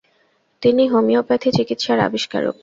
তিনি হোমিওপ্যাথি চিকিৎসার আবিষ্কারক।